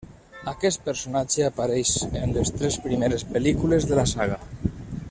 Aquest personatge apareix en les tres primeres pel·lícules de la saga.